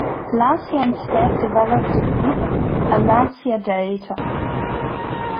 Lancia instead developed the Group A Lancia Delta.